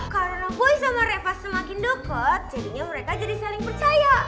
karena boy sama reva semakin deket jadinya mereka jadi saling percaya